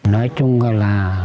nói chung là